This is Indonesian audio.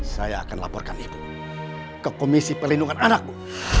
saya akan laporkan ibu ke komisi pelindungan anakku